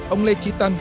ông lê trí tân